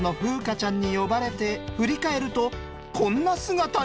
ちゃんに呼ばれて振り返るとこんな姿に。